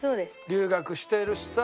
留学してるしさ。